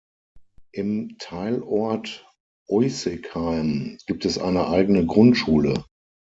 Im Teilort Uissigheim gibt es eine eigene Grundschule.